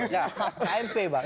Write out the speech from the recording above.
ya kmp bang